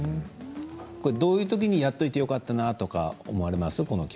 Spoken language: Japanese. どういうときにやっていてよかったなと思いますか